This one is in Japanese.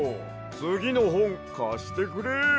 つぎのほんかしてくれ！